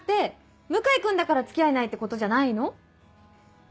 向井君だから付き合えないってことじゃないの？